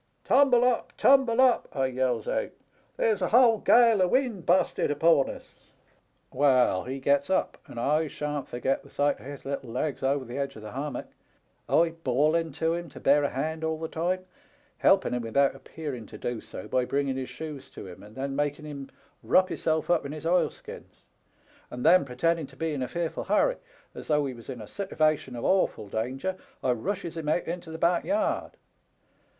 "' Tumble up, tumble up !* I yells out. ' There's a whole gale o' wind busted upon us.' ^TUAT THERE LITTLE TOMMY." 279 *' Well, he gets up, and I shan't forget the sight of his little legs over the edge of the hammock, I bawling to him to beur a hand all the time, helping him without appearing to do so by bringing his shoes to him, and then making him wrop hisself up in his oilskins ; and then, pretending to be in a fearful hurry as though we was in a sittivation of awful danger, I rushes him out into the back yard.